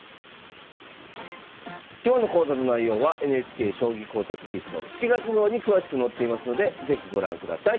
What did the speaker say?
今日の講座の内容はＮＨＫ「将棋講座」テキスト７月号に詳しく載っていますので是非ご覧ください。